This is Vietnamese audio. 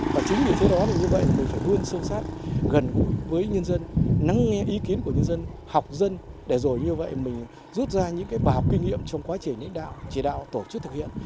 và chính vì thế đó mình phải luôn sâu sát gần gũi với nhân dân nắng nghe ý kiến của nhân dân học dân để rồi như vậy mình rút ra những bà học kinh nghiệm trong quá trình lãnh đạo chỉ đạo tổ chức thực hiện